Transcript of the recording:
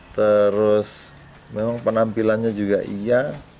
terus memang penampilannya juga iya